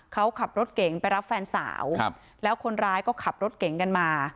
เขาขับรถเก่งไปรับแฟนสาวแล้วคนร้ายก็ขับรถเก่งกันมา